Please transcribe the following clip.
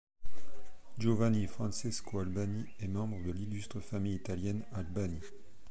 Giovanni Francesco Albani est membre de l'illustre famille italienne Albani.